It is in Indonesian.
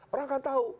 orang kan tahu